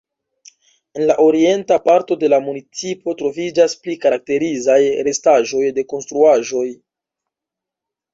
En la orienta parto de la municipo troviĝas pli karakterizaj restaĵoj de konstruaĵoj.